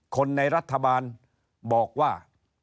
คนในรัฐบาลบอกว่า